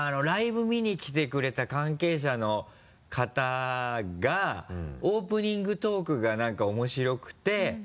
ライブ見に来てくれた関係者の方がオープニングトークが何か面白くて。